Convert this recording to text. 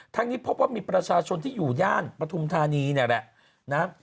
ทั้งนี้พบว่ามีประชาชนที่อยู่ย่านประธุมธานีนี่แหละ